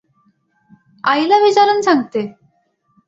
आईला विचारून सांगते.